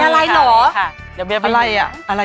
เป็นตัวพิเศษเลยค่ะ